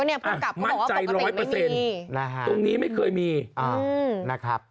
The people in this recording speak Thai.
ภูมิกับมั่นใจร้อยเปอร์เซ็นต์ตรงนี้ไม่เคยมีนะครับ